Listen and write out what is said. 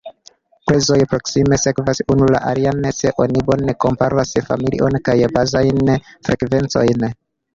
Prezoj proksime sekvas unu la alian, se oni bone komparas familion kaj bazajn frekvencojn.